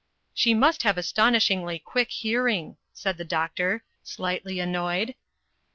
"She must have astonishingly quick hearing," said the doctor, slightly annoyed.